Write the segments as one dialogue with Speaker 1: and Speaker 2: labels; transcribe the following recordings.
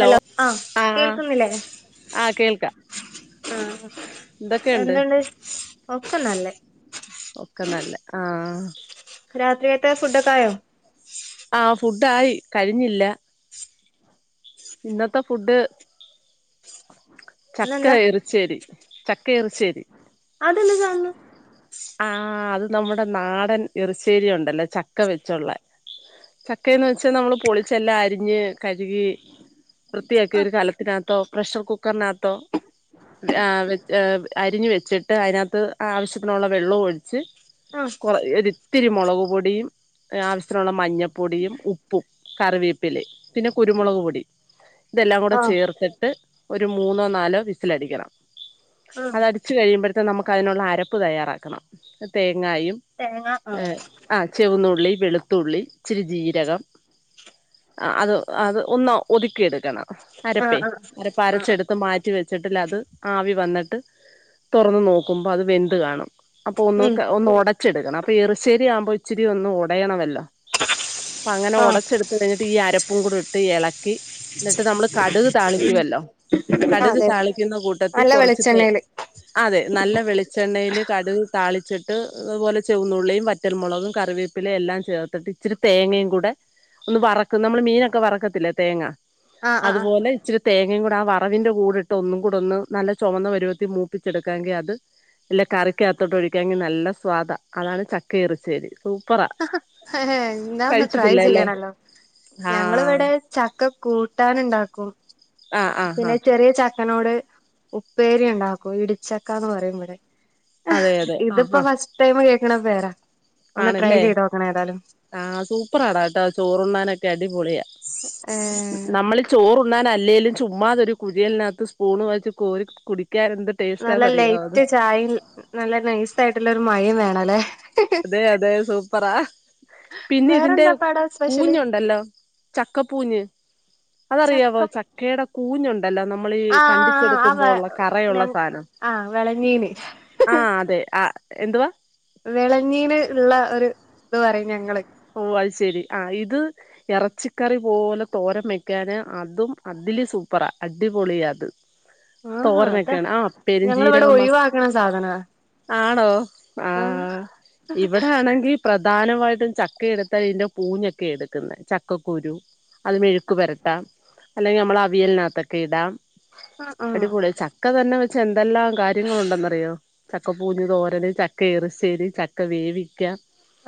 Speaker 1: Hello ആഹ് കേൾക്കുന്നില്ലേ
Speaker 2: ആഹ് കേൾക്കാം
Speaker 1: ആഹ്
Speaker 2: എന്തൊക്കെയുണ്ട്
Speaker 1: എന്തെണ്ട് ഒക്ക്ന്നല്ലേ
Speaker 2: ഒക്ക്ന്നല്ലേ ആഹ്
Speaker 1: രാത്രിയത്തെ ഫുഡൊക്കായോ
Speaker 2: ആഹ് ഫുഡായി കഴിഞ്ഞില്ല ഇന്നത്തെ ഫുഡ് ചക്ക
Speaker 1: ഇന്നെന്താ
Speaker 2: എറിച്ചേരി ചക്ക എറിശ്ശേരി
Speaker 1: അതെന്താ കാണുന്നു
Speaker 2: ആഹ് ആഹ് അത് നമ്മടെ നാടൻ എറിശ്ശേരി ഒണ്ടല്ലോ ചക്ക വെച്ചൊള്ള ചക്കേന്ന് വെച്ചാ നമ്മള് പൊളിച്ചെല്ലാം അരിഞ്ഞ് കഴുകി വൃത്തിയാക്കി
Speaker 1: ആഹ്
Speaker 2: ഒരു കലത്തിനാത്തോ പ്രഷർ കുക്കറിനാത്തോ ആഹ് വെച്ച് അരിഞ്ഞ് വെച്ചിട്ട് അതിനാത്ത് ആവശ്യത്തിനുള്ള വെള്ളോം ഒഴിച്ച്
Speaker 1: ആഹ്
Speaker 2: കുറ ഒരിത്തിരി മൊളക്പൊടിയും ആവശ്യത്തിനുള്ള മഞ്ഞപ്പൊടിയും ഉപ്പും കറിവേപ്പിലയും പിന്നെ കുരുമുളക് പൊടി ഇതെല്ലാം കൂടെ
Speaker 1: ആഹ്
Speaker 2: ചേർത്തട്ട് ഒരു മൂന്നോ നാലോ വിസിലടിക്കണം
Speaker 1: ആഹ്
Speaker 2: അതടിച്ചു കഴിയുമ്പോഴത്തെ നമുക്ക് അതിനുള്ള അരപ്പ് തയ്യാറാക്കണം തേങ്ങായും
Speaker 1: തേങ്ങ ആഹ്
Speaker 2: ആഹ് ചെവന്നുള്ളി വെളുത്തുള്ളി ഇച്ചിരി ജീരകം അത് അത് ഒന്ന് ഒതുക്കി എടുക്കണം
Speaker 1: ആഹ്
Speaker 2: അരപ്പേ
Speaker 1: ആഹ്
Speaker 2: ഇങ്ങനിപ്പ
Speaker 1: ആഹ്
Speaker 2: അരച്ചെടുത്ത് മാ റ്റി വെച്ചിട്ട്ല്ലത് ആവി വന്നട്ട് തുറന്ന് നോക്കുമ്പോ അത് വെന്ത് കാണും അപ്പൊ ഒന്ന്
Speaker 1: ഉം
Speaker 2: ഒന്ന് ഒടച്ചെടുക്കണം അപ്പൊ എറിശ്ശേരി ആവുമ്പൊ ഇച്ചിരി ഒന്ന് ഒടയണവല്ലൊ അപ്പ അങ്ങനെ
Speaker 1: ആഹ്
Speaker 2: ഒടച്ചെടുത്ത് കഴിഞ്ഞിട്ട് ഈ അരപ്പും കൂടി ഇട്ട് എള ‌ക്കി എന്നട്ട് നമ്മള് കടുക് താളിക്കുവല്ലൊ കടുക്
Speaker 1: അതെ
Speaker 2: താളിക്കുന്ന കൂട്ടത്തി
Speaker 1: നല്ല
Speaker 2: കൊറച്ച് തേ
Speaker 1: വെളിച്ചെണ്ണയില്
Speaker 2: അതെ നല്ല വെളിച്ചെണ്ണയിൽ കടു താളിച്ചിട്ട് അതുപോലെ ചെവന്നുള്ളിയും വറ്റൽമുളകും കറിവേ പ്പില് എല്ലാം ചേർത്തട്ട് ഇച്ചിരി തേങ്ങയും കൂടെ ഒന്ന് വറക്കും നമ്മള് മീനൊക്കെ വറക്കത്തില്ലെ തേങ്ങ
Speaker 1: ആഹ് ആഹ്
Speaker 2: അതുപോലെ ഇച്ച തേങ്ങയും കൂടെ ആ വറവിന്റെ കൂടിട്ട് ഒന്നും കൂടെ ഒന്ന് നല്ല ചൊമന്ന പരുവത്തി മൂപ്പിച്ചെടുക്കാങ്കി അത് ഇല്ല കറിക്കാത്തോട്ട് ഒഴിക്കാങ്കി നല്ല സ്വാദാ അതാണ് ചക്കയെറുശ്ശേരി സൂപ്പറാ
Speaker 1: എന്നാ ഒന്ന് ട്രൈ
Speaker 2: കഴിച്ചിട്ടില്ല അല്ലേ
Speaker 1: ചെയ്യണല്ലോ
Speaker 2: ആഹ്
Speaker 1: ഞങ്ങളിവിടെ ച ക്ക കൂട്ടാനെണ്ടാക്കും
Speaker 2: ആഹ് ആഹ്
Speaker 1: പിന്നെ
Speaker 2: ആഹ്
Speaker 1: ചെറിയ ചക്കനോട് ഉപ്പേരി ഇണ്ടാക്കും ഇടിച്ചക്കാന്ന് പറയും ഇവിടെ
Speaker 2: അതെ അതെ ആഹ്
Speaker 1: ഇതിപ്പോ
Speaker 2: ആഹ്
Speaker 1: ഫസ്റ്റ് ടൈം കേക്കണ പേരാ ഒന്ന് ട്രൈ
Speaker 2: ആണല്ലേ
Speaker 1: ചെയ്ത് നോക്കണം ഏതാലും
Speaker 2: ആഹ് സൂപ്പറാട ട്ടോ ചോറ്ണ്ണാനൊക്കെ അടിപൊളിയാ
Speaker 1: ഏഹ്
Speaker 2: നമ്മളി ചോറുണ്ണാൻ അല്ലേലും ചുമ്മാതൊരു കുഴിയലിനകത്ത് സ്പൂണ് വെച്ച് കോരി കുടിക്കാൻ എന്ത്‌
Speaker 1: നല്ല ലൈറ്റ് ചായയും നല്ല നൈസ് ആയിട്ടുള്ള ഒരു മഴയും വേണം അല്ലേ
Speaker 2: അതെ അതെ സൂപ്പറാ പിന്നെ ഇതിന്റെ
Speaker 1: വേറെന്താ പാടാ സ്പെഷ്യല്
Speaker 2: കൂഞ്ഞുണ്ടല്ലോ ചക്കപ്പൂഞ്ഞ് അതറിയാവോ
Speaker 1: ചക്ക
Speaker 2: ചക്കയുടെ കൂഞ്ഞുണ്ട് നമ്മൾ ഈ
Speaker 1: ആഹ് ആഹ്
Speaker 2: കണ്ടിച്ചെടുക്കുമ്പോ
Speaker 1: ആ
Speaker 2: ഉള്ള
Speaker 1: ഞ
Speaker 2: കറയുള്ള സാധനം
Speaker 1: ആഹ് വെളഞ്ഞീന്
Speaker 2: ആഹ് അതെ ആ എന്തുവാ
Speaker 1: വിളഞ്ഞീന് ഉള്ള ഒരു ഇത് പറയും ഞങ്ങള്
Speaker 2: ഓ അത് ശെരി ആ ഇത് ഇറച്ചിക്കറി പോലെ തോരൻ. വെക്കാന് അതും അതില് സൂപ്പറാ അടിപൊളിയ അത്
Speaker 1: ആഹാ അതാ
Speaker 2: തോരനൊക്കെയാണ് ആ
Speaker 1: ഞങ്ങളിവിടെ
Speaker 2: പെരഞ്ചീരകെ
Speaker 1: ഒഴിവാക്കണ സാധനാ
Speaker 2: ആണോ ആ
Speaker 1: ആഹ്
Speaker 2: ഇവിടെ ആണെങ്കിൽ പ്രധാനമായിട്ടും ച ക്കെ എടുത്താൽ ഇതിന്റെ പൂഞ്ഞൊക്കെ എടുക്കുന്നെ ചക്കക്കുരു അത് മെഴുക്കു വരട്ട അല്ലെങ്കിൽ നമ്മൾ അവിയലിനകത്തൊക്കെ ഇടാം
Speaker 1: ആഹ്
Speaker 2: അടിപൊളി ക്ക തന്നെ വെച്ച് എന്തെല്ലാം കാര്യങ്ങളുണ്ടെന്നറിയോ ചക്ക പൂഞ്ഞു തോരന് ചക്ക ഇറിശ്ശേരി ചക്ക വേവിക്ക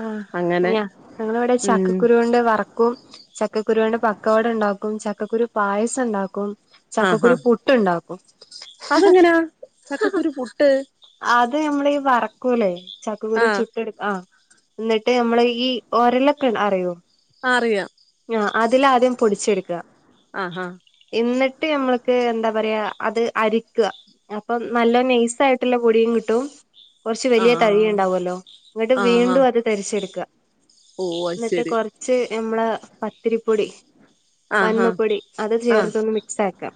Speaker 1: ആ
Speaker 2: അങ്ങനെ
Speaker 1: ഞാ ഞങ്ങള ഇവിടെ
Speaker 2: ഉം
Speaker 1: ചക്കക്കുരു കൊണ്ട്വറക്കും ചക്കുരു കൊണ്ട് പക്കവട ഉണ്ടാക്കും ചക്കുരു പായസം ഉണ്ടാക്കും
Speaker 2: ആഹ് ആഹ്
Speaker 1: ചക്കക്കുരു പുട്ട്ണ്ടാക്കും
Speaker 2: അതെങ്ങനാ ചക്കക്കുരു പുട്ട്
Speaker 1: അത് നമ്മള ഈ വറക്കൂലേ ചക്കുകുരി
Speaker 2: ആഹ്
Speaker 1: ചുട്ട എടുക്ക ആ എന്നിട്ട് നമ്മള് ഈ ഓരലൊക്ക അറിയോ
Speaker 2: അറിയാം
Speaker 1: ആ അതിലാദ്യം പൊടിച്ചെടുക്കുക
Speaker 2: ആഹ് ആഹ്
Speaker 1: എന്നിട്ട് നഞമ്മൾക്ക് എന്താ പറയാ അത് അരിക്കുക അപ്പൊ നല്ല നൈസ് ആയിട്ടുള്ള പൊടിയും കിട്ടും കുറച്ച് വലിയ
Speaker 2: ആഹ്
Speaker 1: തരി ഉണ്ടാവല്ലോ ഇന്നട്ട് വീണ്ടും അത് തരിച്ചെടുക്കുക
Speaker 2: ഓ ശെരി
Speaker 1: ച്ച് നമ്മള പത്തിരിപ്പൊടി
Speaker 2: ആഹ്
Speaker 1: പന്മപ്പൊടി അത്
Speaker 2: ആഹ്
Speaker 1: ചേർത്തൊന്ന് മിക്സ് ആക്കാം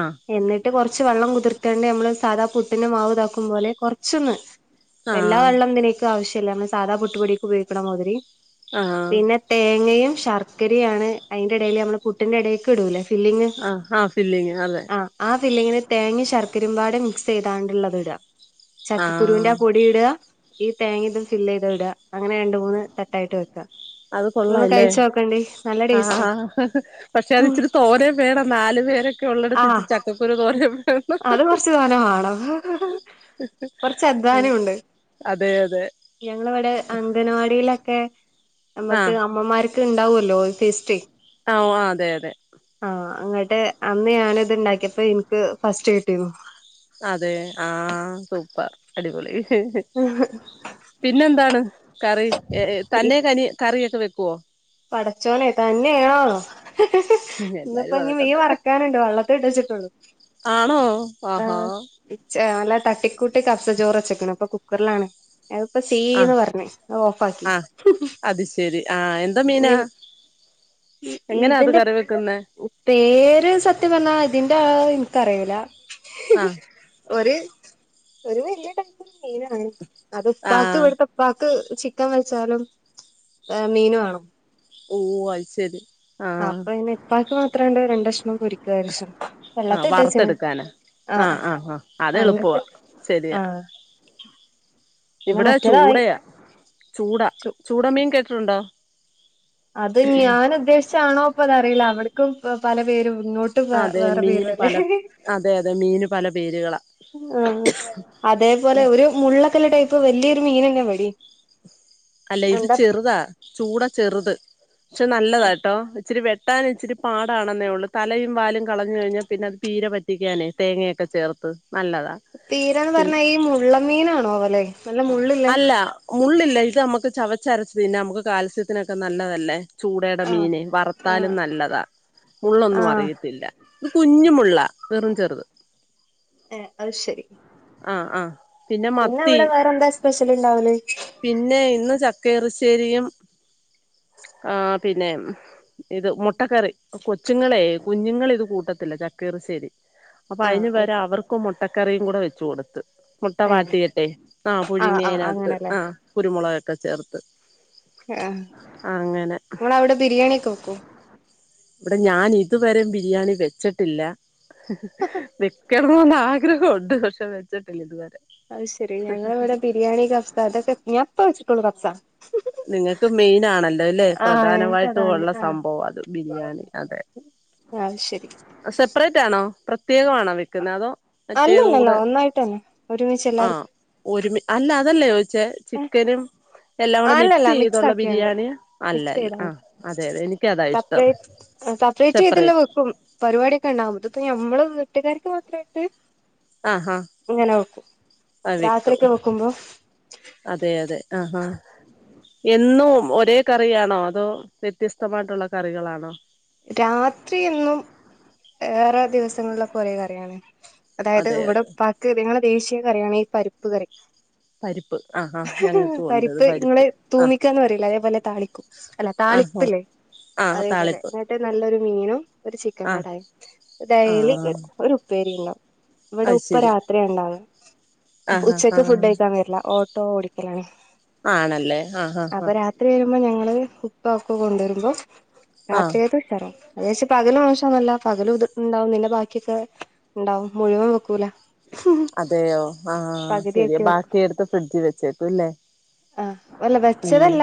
Speaker 2: ആഹ്
Speaker 1: എന്നിട്ട് കുറച്ച് വെള്ളം കുതിർത്തേണ്ടി നമ്മള് സാധാ പുട്ടിന് മാവ്താക്കും പോലെ കുറച്ചൊന്ന്
Speaker 2: ആഹ്
Speaker 1: വെല്ലാ
Speaker 2: ആഹ്
Speaker 1: വെള്ളം തിനെക്ക് ആവശ്യല്ല നമ്മള് സാധാ പുട്ടുപൊടിക്ക് ഉപയോഗിക്കണ മാതിരി
Speaker 2: ആഹ്
Speaker 1: പിന്നെ തേങ്ങയും ശർക്കരയും ആണ് അതിന്റെ ഇടൽ നമ്മള് പുട്ടിറെ ഇടേക്ക ഇടൂലേ ഫില്ലിങ്
Speaker 2: ആഹ് ആഹ് ഫില്ലിങ് അതെ
Speaker 1: ആഹ് ആ ഫില്ലിങ് ല് തേങ്ങയും ശർക്കരരിമ്പാട് മിക്സ് ചെയ്താണ്ടുള്ളത് ഇട ചക്കക്കുരുവിന്റെ
Speaker 2: ആഹ്
Speaker 1: ആ പൊടി ഇടുക ഈ തേങ്ങ ഇത് ഫില്ല് ചെയ്ത ഇടുക അങ്ങനെ രണ്ട് മൂന്ന് തട്ടായിട്ട് വെക്കാം
Speaker 2: അത് കൊള്ളാല്ലേ
Speaker 1: ണ്ട് [unintelligible] നല്ലെ
Speaker 2: ആഹ് പക്ഷെ അത് ഇച്ചിരി തോന്നേ വേണം നാല് പേരൊക്കെ ഉള്ളടുത്ത്
Speaker 1: ആ
Speaker 2: ഇച്ച് ചക്ക
Speaker 1: അത് കൊറച്ച്തോനെ വാണം കൊറച്ച് അധ്വാനം ഉണ്ട്
Speaker 2: അതെ അതെ
Speaker 1: ഞങ്ങളിവിടെ അംഗൻവാടിയിലൊക്കെ നമ്മക്ക്
Speaker 2: ആഹ്
Speaker 1: അമ്മമാർ ക്ക് ഇണ്ടാവൊല്ലോ ഒരു ഫെസ്റ്റ്
Speaker 2: ആഹ് ഉവ്വ് അതെ അതെ
Speaker 1: ആഹ് അങ്ങ്ട്ട് അന്ന് ഞാന് ഇത്ണ്ടാക്കിയപ്പോ ഇൻക്ക് ഫസ്റ്റ് കിട്ടീനു
Speaker 2: അതെ ആഹ് സൂപ്പർ അടിപൊളി ഹ് ഹ് പിന്നെന്താണ് കറി എ ഏ തന്നെ കനി കറി ഒക്കെ വെക്കുവോ?
Speaker 1: പടച്ചോന്നേ തന്നെയോ ഹ് ഹ് ഇന്ന്പ്പോ
Speaker 2: എല്ലാരും
Speaker 1: ഇനി
Speaker 2: അതൊക്കെ
Speaker 1: മീൻ
Speaker 2: തന്നെ
Speaker 1: വറക്കാന്ണ്ട് വള്ളത്തി ത്തിട്ടച്ച്ടൊള്ളു
Speaker 2: ആണോ ആഹാ
Speaker 1: ഉച്ച അല്ല തട്ടിക്കൂട്ടി കഫ്സ ചോറെച്ച്ക്ക്ണ് ഇപ്പൊ കുക്കറിലാണ് അതിപ്പോ സീ ന്ന്
Speaker 2: ആഹ്
Speaker 1: പറഞ്ഞ് അത് ഓഫാക്കി ഹും ഹും
Speaker 2: ശരി ആ എന്തോ മീനാ എങ്ങനാ അത്
Speaker 1: ഇതിന്റെ
Speaker 2: കറി വെക്കുന്നെ?
Speaker 1: പേര് സത്യം പറഞ്ഞാ ഇതിന്റെ ആ ഇൻക്കറിയൂല്ല
Speaker 2: ആഹ്
Speaker 1: ഒരു ഒരു വലിയ ടൈപ്പ് മീനാണ് അത് ഇപ്പാക്ക്
Speaker 2: ആഹ്
Speaker 1: ഇവ്ട്ത്തെ ഇ പ്പാക്ക് ചിക്കൻ വെച്ചാലും മീന് വാണം
Speaker 2: ഓ അത് ശെരി
Speaker 1: അപ്പൊ അയിന് ഇപ്പാക്ക് മാത്രണ്ട് രണ്ടഷ്ണം പൊരിക്കാരിച്ച്
Speaker 2: ആ
Speaker 1: വള്ളത്തില് ഇട്ടച്ച്ണ്
Speaker 2: വറുത്തെടുക്കാനാ
Speaker 1: ആഹ് അഹ്
Speaker 2: ആഹ് അത് എളുപ്പവാ
Speaker 1: അങ്ങക്ക്
Speaker 2: ശരിയാ
Speaker 1: ആഹ് പിന്നെ
Speaker 2: ഇവിടെ
Speaker 1: മറ്റേതായി
Speaker 2: ചൂടയാ ചൂടാ ചൂട മീൻ കേട്ടിട്ടുണ്ടോ?
Speaker 1: അത് ഞാൻ ഉദ്ദേശിച്ചാണോ ഇപ്പൊ ഇതറിയില്ല അവർക്കും പല പേരും ഇങ്ങോ
Speaker 2: അതെ മീന് പല അതെ അതെ മീന് പല പേര്കളാ
Speaker 1: ആഹ് അഹ് അതേപോലെ ഒരു മുള്ളക്കല്ല ടൈപ്പ് വലിയൊരു മീനന്നെ ഇവടീം
Speaker 2: അല്ല ഇത് ചെറുതാ ചൂടാ ചെറുത് പക്ഷെ നല്ലതാട്ടോ ഇച്ചിരി വെ ട്ടാന് ഇച്ചിട്ട് പാടാണെന്നേ ഉള്ളൂ തലയും വാലും കളഞ്ഞു കഴിഞ്ഞാൽ പിന്നെ അത് പീര വറ്റിക്കാനേ തേങ്ങയൊക്കെ ചേർത്ത് നല്ലതാ
Speaker 1: തീരന്ന് പറഞ്ഞാ ഈ മുള്ള മീനാണോ വൊല്ലേ
Speaker 2: അല്ല മുള്ളില്ല ഇത് നമ്മക്ക് ചവച്ചരച്ച്തിന്നാ നമുക്ക് കാൽസ്യത്തിനൊക്കെ നല്ലതല്ലേ ചൂടെടെ
Speaker 1: ആഹ്
Speaker 2: മീന് വറുത്താലും
Speaker 1: ആഹ്
Speaker 2: നല്ലതാ മുള്ളൊന്നും
Speaker 1: ആഹ്
Speaker 2: അറിയത്തില്ല ഇത് കുഞ്ഞുമുള്ള വെറും ചെറുത്
Speaker 1: ഏഹ് അത് ശരി
Speaker 2: ആഹ് ആഹ്
Speaker 1: പിന്നെ അവിടെ വേറെ എന്താ സ്പെഷ്യല് ഇണ്ടാവല്?
Speaker 2: പിന്നെ ഇന്ന് ചക്കേറശ്ശേരിയും ആഹ് പിന്നെ ഇത് മുട്ടക്കറി കൊച്ചുങ്ങളെ കുഞ്ഞുങ്ങളിത് കൂട്ടത്തില്ല ചക്കറശ്ശേരി അപ്പൊ
Speaker 1: ആഹ്
Speaker 2: അയിന്
Speaker 1: അത്
Speaker 2: വെരെ അവർക്കും മുട്ടക്കറിയും കൂടെ വെച്ചു കൊടുത്ത് മുട്ട
Speaker 1: ഏഹ്
Speaker 2: വാടിയിട്ടെ ആഹ് പുഴുങ്ങി
Speaker 1: ആഹ്
Speaker 2: അയിനകത്ത്
Speaker 1: അങ്ങനെല്ലേ
Speaker 2: ആഹ് കുരുമൊളകൊക്കെ ചേർത്ത്
Speaker 1: ആ
Speaker 2: അങ്ങനെ
Speaker 1: ഓള അവടെ ബിരിയാണിക്കെ വോക്കോ?
Speaker 2: ഇവിടെ ഞാൻ ഇതുവരെ ബിരിയാണി വെച്ചിട്ടില്ല വെ ക്കണോന് ആഗ്രഹോണ്ട് പക്ഷെ വെച്ചട്ടില്ല ഇത് വെരെ
Speaker 1: അത് ശെരി ഞങ്ങളെ ഇവിടെ ബിരിയാണി കഫ്സ അതൊക്കെ ഞാൻ ഇപ്പൊ വെച്ചിട്ടൊള്ളൂ കഫ്സ
Speaker 2: നിങ്ങൾക്ക് മെയിൻ ആണല്ലോ അല്ലെ
Speaker 1: ആഹ്
Speaker 2: പ്രധാനവായിട്ടും
Speaker 1: എനിക്കതാണ്
Speaker 2: ഉള്ള
Speaker 1: ആഹ്
Speaker 2: സംഭവാത് ബിരിയാണി അതെ
Speaker 1: ആഹ് ശെരി
Speaker 2: സപ്പറേറ്റ് ആണോ പ്രത്യേകമാണോ വെക്കുന്നത് അതോ മറ്റേതും കൂടെ
Speaker 1: അല്ലല്ലല്ല ഒന്നായിട്ട് തന്നെ ഒരുമിച്ച്
Speaker 2: ആ
Speaker 1: എല്ലാവർക്കും
Speaker 2: ഒരുമി അല്ല അതല്ലേ ചോദിച്ചേ
Speaker 1: ഏ
Speaker 2: ചിക്കനും എല്ലാം കൂടെ മീ മിക്സ്
Speaker 1: അല്ലല്ല
Speaker 2: ചെയ്തുള്ള
Speaker 1: ആക്കിയുണ്ട്
Speaker 2: ബിരിയാണി അല്ല
Speaker 1: മിക്സ്
Speaker 2: അല്ല ആ
Speaker 1: ചെയ്തോണ്ട്
Speaker 2: അതെയ അതെ എനിക്ക അതാ ഇഷ്ടം
Speaker 1: സപ്പറേറ്റ് ചെയ്തല്ല
Speaker 2: സെപ്പറേറ്റ്
Speaker 1: വെക്കും പരിപാടിയൊക്കെ ഉണ്ടാവുംതി ഇപ്പ ഞമ്മള് വീട്ടുകാർക്ക് മാത്രമായിട്ട്
Speaker 2: ആഹാ
Speaker 1: ഇങ്ങന വെക്കും
Speaker 2: ആ വെക്കും
Speaker 1: രാത്രിക്കെ വെക്കുമ്പം.
Speaker 2: അതെ അതെ ആഹാ. എന്നും ഒരേ കറിയണോ. അതോ വ്യത്യസ്തമായിട്ടുള്ള കറികളാണോ.
Speaker 1: രാത്രി എന്നും ഏറെ ദിവസങ്ങളിലൊക്കെ ഒരേ കറിയാണ്. അതായത്
Speaker 2: അതെ
Speaker 1: ഇവടെ
Speaker 2: അതെ
Speaker 1: ഉപ്പാക്ക് ഞങ്ങളെ ദേശീയ കറിയാണ് ഈ പരിപ്പ് കറി.
Speaker 2: പരിപ്പ് ആഹാ.
Speaker 1: പരിപ്പ് ഉങ്ങളെ തൂമിക്കാന്ന് പറയില്ലെ. അതേപോലെ താളിക്കും. അല്ല താളിപ്പ്ലെ.
Speaker 2: ആ താളിപ്പ്
Speaker 1: ട്ട് നല്ലൊരു മീനും, ഒരു ചിക്കൻ
Speaker 2: ആഹ്
Speaker 1: കടായിം, ഡൈലി
Speaker 2: ആഹ്
Speaker 1: വരും. ഒരു ഉപ്പേരി ഉണ്ടാവും. ഇവടെ
Speaker 2: അത്
Speaker 1: ഉപ്പ
Speaker 2: ശരി
Speaker 1: രാത്രിയാ ഇണ്ടാവ.
Speaker 2: ആഹ്
Speaker 1: ഉച്ചക്ക്
Speaker 2: ആഹ്
Speaker 1: ഫുഡ് കഴിക്കാൻ വര്ല്ല. ഓട്ടോ ഓടിക്കലാണ്
Speaker 2: ആണെല്ലെ ആ ഹ ഹഹ
Speaker 1: ത്രി വരുമ്പം ഞങ്ങള് ഉപ്പ അതൊക്ക കൊണ്ടെരുമ്പോ
Speaker 2: ആഹ്
Speaker 1: രാത്രിയെത്തെ ഉശാറാവും. അത് ചാര്ച്ച് പകല് മോശംന്നല്ല. പകല് ഇത് ഇണ്ടാവുംന്നെ ബാക്കിയൊക്കെ ഇണ്ടാവും. മുഴുവൻ വിക്കൂല
Speaker 2: അതെയോ ആ ശരി
Speaker 1: പകുതിയൊക്കെ വെക്കും
Speaker 2: ബാക്കി ഇടുത്ത് ഫ്രിഡ്ജ് വെച്ചേട്ടു. ല്ലേ
Speaker 1: ആഹ് അല്ല വെച്ചതല്ല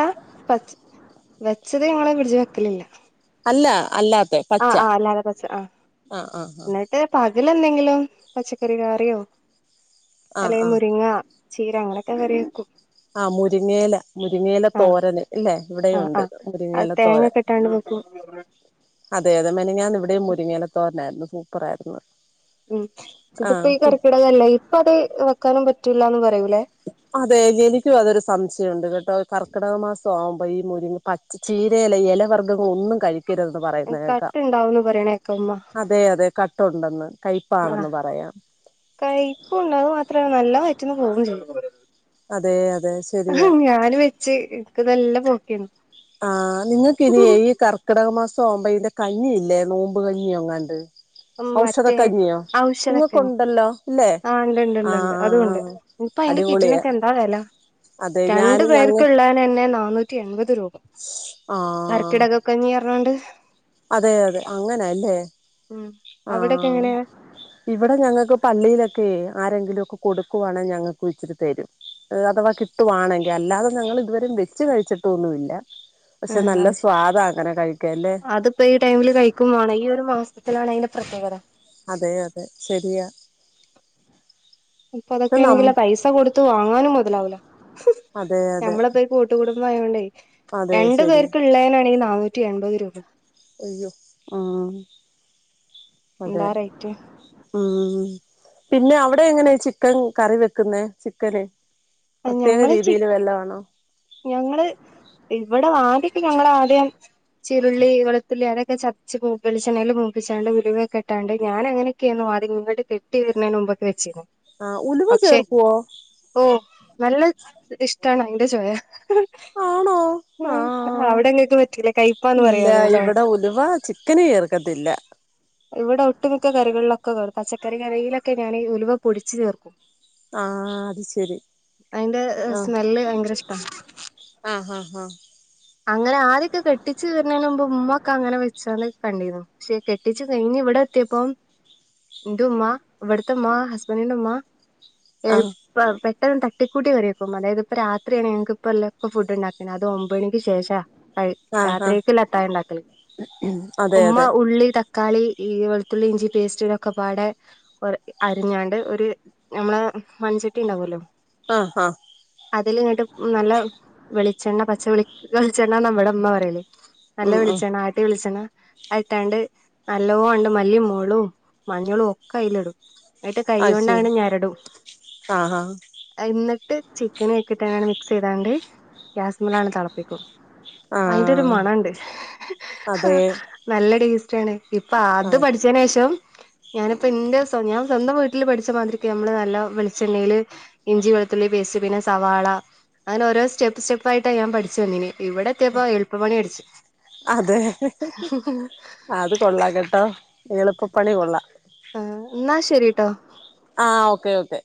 Speaker 1: വെച്ചത് ഞങ്ങളെ ഫിട്ച്ച് വെക്കലില്ല
Speaker 2: അല്ല അല്ലാത്തെ.
Speaker 1: ആഹ്
Speaker 2: പച്ച
Speaker 1: ആഹ് അല്ലാതെ വച്ച് ആ
Speaker 2: ആഹ് ആഹ് ആഹ്
Speaker 1: ഇന്നട്ട്. അ പകല് അല്ലെങ്കിലും പച്ചക്കറി ക്യാെ
Speaker 2: ആഹ്
Speaker 1: അല്ലെങ്കിൽ
Speaker 2: ആഹ്
Speaker 1: മുരിങ്ങ. ചീര അങ്ങനൊക്കെ കറി വെക്കും.
Speaker 2: ആ മുരിങ്ങേല മുരിങ്ങേല
Speaker 1: ആ
Speaker 2: ത്തോരന് ഇല്ലെ.
Speaker 1: ആ
Speaker 2: ഇവിടെയുണ്ട്
Speaker 1: ആ അത് തേങ്ങ
Speaker 2: മുരിങ്ങേലത്തോരൻ.
Speaker 1: ഒക്കെ ഇട്ടാണ്ട് വെക്കും
Speaker 2: അതെ അതെ. മനെഞാന്ന് ഇവിടിം മുരിങ്ങയിലത്തോരനായിരുന്നു. സൂപ്പറായിരുന്നു.
Speaker 1: ഉം ഇതിപ്പ ഈ
Speaker 2: ആഹ്
Speaker 1: കർക്കിടകല്ലെ. ഇപ്പ അത് വെക്കാനും പറ്റൂല്ലാന്ന് പറയൂലേ
Speaker 2: അതെ എനിക്കും അതൊരു സംശയം ഉണ്ട് കെട്ടോ. കർക്കിടക മാസം സോമ്പരി മുരിങ്ങ പച്ച ചീരയല എലവർഗ്ഗങ്ങളൊന്നും കഴിക്കരുന്ന് പറയുന്നത് കേക്കാം.
Speaker 1: കനേക്കമ്മ [unintelligible]
Speaker 2: അതെ അതെ കട്ടുണ്ടെന്ന് കയ്പ്പാണെന്ന് പറയാ.
Speaker 1: കൈപ്പും ഉണ്ട്. അത് മാത്രല്ല നല്ലെ വൈറ്റ്ന്ന് പോവുകയും ചെയ്യും.
Speaker 2: അതെ അതെ
Speaker 1: ആ
Speaker 2: ശരിയാ
Speaker 1: ഞാന് വെച്ച്. ഇനക്ക്തെല്ലാം പോക്കു [unintelligible]
Speaker 2: ആഹ് നിങ്ങക്ക് ഇനി ഈ കർക്കിടക മാസം ആവുമ്പ ഇതിന്റെ കഞ്ഞി ഇല്ലേ നോമ്പ് കഞ്ഞി ഒങ്ങാണ്ട്. ഔഷധ
Speaker 1: മറ്റേ
Speaker 2: കഞ്ഞി
Speaker 1: ഔഷധക്കഞ്ഞി
Speaker 2: കുങ്ങക്കണ്ടല്ലോ അല്ലേ ആ
Speaker 1: ഇപ്പ അയിന്റെ കിറ്റിനൊക്കെ എന്താ വെല.
Speaker 2: അതെ
Speaker 1: രണ്ടു
Speaker 2: ഞാനും ഞങ്ങ
Speaker 1: പേർക്ക്ള്ളാ തന്നെ നന്നൂറ്റി എൺപത് രൂപ
Speaker 2: ആഹ്
Speaker 1: കർക്കിടക കഞ്ഞി അറ്ഞ്ഞാണ്ട്.
Speaker 2: അതെ അതെ അങ്ങനെ അല്ലെ
Speaker 1: ഉം അവിടൊക്കെ
Speaker 2: ആഹ്.
Speaker 1: എങ്ങനെയാ
Speaker 2: ഇവെടെ ഞങ്ങക്ക് പള്ളീലൊക്കെ ആരെങ്കിലും ഒക്കെ കൊടുക്കുവാണെ ഞങ്ങക്ക് ഇച്ചിരി തരും. ഉള്ളഥവാ കിട്ടുവാണെങ്കി. അല്ലാതെ ഞങ്ങള് ഇതുവരേ വെച്ച് കഴിച്ചിട്ടൊന്നുല്ല. പക്ഷെ
Speaker 1: ആഹ്
Speaker 2: നല്ല സ്വാദാ അങ്ങനെ കഴിക്കാൻല്ലെ.
Speaker 1: ഇപ്പൊ ഈ ടൈമില് കഴിക്കുമ്പോണ് ഈ ഒരു മാസത്തിലാണ് അയ്ന്റെ പ്രത്യേകത
Speaker 2: അതെ അതെ ശരിയ.
Speaker 1: ഇപ്പൊ അതൊക്കേണെങ്കിലൊ പൈസ കൊടുത്ത് വാങ്ങാനും മുതലാവുല.
Speaker 2: അതെ അതെ
Speaker 1: നമ്മള് ഇപ്പൊ ഈ കൂട്ടുകുടുംബം ആയോണ്ടെ
Speaker 2: അതെ
Speaker 1: രണ്ടു
Speaker 2: ശരിയാ
Speaker 1: പേർക്ക്ള്ളേനാണെങ്കി നാനൂ റ്റി എമ്പത് രൂപ
Speaker 2: അയ്യൊ ആഹ് അതെ.
Speaker 1: എന്താ റേറ്റ്
Speaker 2: ഉം പിന്നെ അവിടെ എങ്ങനെ ചിക്കൻ കറി വെക്കുന്നേ. ചിക്കന്
Speaker 1: ആഹ്
Speaker 2: പ്രത്യേക
Speaker 1: ഞങ്ങള് ചി
Speaker 2: രീതിയിൽ വല്ലതാണോ
Speaker 1: ഞങ്ങള് ഇവടെ ആദ്യക്കെ ഞങ്ങളാദ്യം ചീരുളി വെളത്തുള്ളി അതൊക്കെ ചത്ച്ച് വെളിച്ചെണ്ണീല് മൂപ്പിച്ചാണ്ട് ഉലുവെക്കെട്ടാണ്ട് ഞാനങ്ങനെ ക്കേണ് വാടി ങ്ങട്ട് കെട്ടി വെര്ണേന്റെ മുമ്പെക്കേ വെച്ചീര്ന്ന്.
Speaker 2: ആഹ് ഉലുവ ചേർക്കോ?
Speaker 1: ഓഹ് നല്ല ഇഷ്ട്ടാണയിന്റെ ചൊയ
Speaker 2: ആണോ ആഹ്
Speaker 1: അവ്ടെങ്ങക്ക് പറ്റൂലെ കയ്പ്പാന്ന് പറയാ
Speaker 2: ഇല്ല
Speaker 1: അതു ല്ലേ
Speaker 2: ഇവിടെ ഉലുവ ചിക്കന് ചേർക്കത്തില്ല.
Speaker 1: ഇവടെ ഒട്ടുമിക്ക കറികളിലൊക്കെടും പച്ചക്കറി കറിയിലൊക്കെ ഞാന് ഉലുവ പൊടിച്ച് ചേർക്കും.
Speaker 2: ആഹ് അത് ശരി
Speaker 1: അയിന്റെ സ്മെല്ല് ഭയങ്കരഷ്ടാ.
Speaker 2: ആഹ് ആഹ് ആഹ്
Speaker 1: അങ്ങനെ ആദ്യൊക്കെ കെട്ടിച്ചു തരുന്നതിന് മുമ്പ് മ്മൊക്കെ അങ്ങനെ വെച്ചാണ്ട് കണ്ടീനു. പക്ഷെ കെട്ടിച്ച് കഴിഞ് ഇവടെത്യപ്പം ന്റുമ്മ വട്ത്തമ്മ ഹസ്ബെന്റിന്റുമ്മ എള്
Speaker 2: ആഹ്
Speaker 1: പ്പം പെട്ടെന്ന് തട്ടി കൂട്ടി കറി വെക്കും. അതായത് പ്പ രാത്രാണ്. ഞങ്ങക്ക് പ്പല്ലേ പ്പ ഫുഡ് ണ്ടാക്കണ്. അതും ഒമ്പേണി ശേഷാ അഹ്
Speaker 2: ആഹ് ആഹ് ആഹ്
Speaker 1: രാത്രിക്ക്ള്ള അത്തായണ്ടാക്കല്.
Speaker 2: അതെ
Speaker 1: ഉമ്മ
Speaker 2: അതെ
Speaker 1: ഉള്ളി ത ക്കാളി ഈ വെളുത്തുള്ളി ഇഞ്ചി പേസ്റ്റൊക്കെ പാടെ ഒര് അരിഞ്ഞാണ്ട് ഒരു ഞമ്മളെ മൺചട്ടി ണ്ടാവല്ലോ
Speaker 2: ആഹ് ആഹ്
Speaker 1: അതിലിങ്ങട്ട് നല്ല വെളിച്ചെണ്ണ പച്ച വെളിച്ചെണ്ണാന്ന വടെമ്മ പറ്യല്.
Speaker 2: ഉം ഉം
Speaker 1: നല്ലവെളിച്ചെണ്ണ. ആട്ട്യ വെളിച്ചെണ്ണ. അത്ട്ടാണ്ട് നല്ലോ ണ്ട് മല്ലിം മൊളും മഞ്ഞളും ഒക്കെയില്ടും. ങ്ങട്ട്
Speaker 2: അത്
Speaker 1: കയ്യോണ്ടങ്ങട്
Speaker 2: ശരി
Speaker 1: ഞെരടും.
Speaker 2: ആഹ് ആഹ്
Speaker 1: ഇന്നട്ട് ചിക്കനയിക്ട്ടാൻഡ് മിക്സൈതാണ്ട്ഗ്യാസ്മ്മലാണ്ട് തെളപ്പിക്കും.
Speaker 2: ആഹ്
Speaker 1: അയിന്റൊരുമണണ്ട് ഹ് ഹ്
Speaker 2: അതെ
Speaker 1: നല്ല ടേസ്റ്റാണ്. ഇപ്പ ത്
Speaker 2: ആഹ്
Speaker 1: പഠി ഛേനെഷം ഞാനിപ്പന്റെ സൊ ഞാൻ സ്വന്തം വീട്ടില് പഠിച്ച മാതിരിക്ക് നമ്മള് നല്ലോം വിളിച്ചെണ്ണീല് ഇഞ്ചി വെളുത്തുള്ളി പേസ്റ്റ് പിന്നെ സവാള അങ്ങനെ ഓരോ സ്റ്റെപ്പ് സ്റ്റെപ്പായിട്ടാ ഞാൻ പഠിച്ച് വന്നീന്യേ. ഇവിടെത്തിയപ്പം എളപ്പ പണി പഠിച്ച്.
Speaker 2: അതെ അത് കൊള്ളാം കെട്ടോ എളുപ്പപ്പണി കൊള്ളാം
Speaker 1: ആഹ് ന്നാ ശരിട്ടൊ
Speaker 2: ആഹ് ഒക്കെയോക്കെ